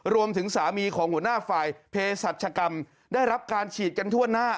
รวมถึงสามีของหัวหน้าฝ่ายเพศรัชกรรมได้รับการฉีดกันทั่วหน้า